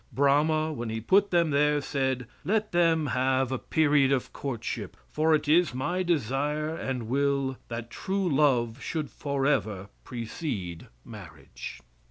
Brahma, when he put them there, said: "Let them have a period of courtship, for it is my desire and will that true love should forever precede marriage."